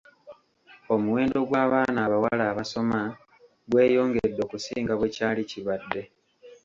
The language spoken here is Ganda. Omuwendo gw'abaana abawala abasoma gweyongedde okusinga bwe kyali kibadde.